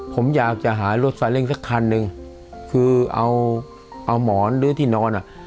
ผมอยากจะหารถสายเร่งสักคันหนึ่งคือเอาเอาหมอนหรือที่นอนอ่ะ